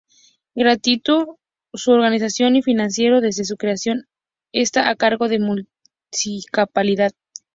Gratuito, su organización y financiamiento, desde su creación, está a cargo de la municipalidad.